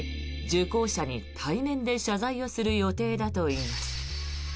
受講者に対面で謝罪をする予定だといいます。